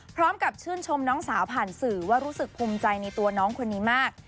พร้อมกับชื่นชมน้องสาวผ่านสื่อว่ารู้สึกภูมิใจในตัวน้องคนนี้มาก